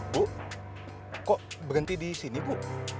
bu kok berhenti di sini bu